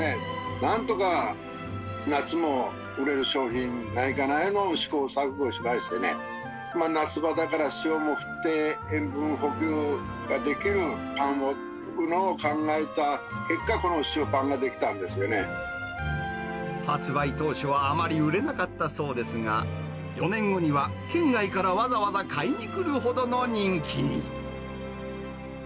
なんとか夏も売れる商品ないかと試行錯誤しましてね、夏場だから塩も振って、塩分補給ができるパンを売ろうと考えた結果、発売当初はあまり売れなかったそうですが、４年後には、県外からわざわざ買いに来るほどの人気に。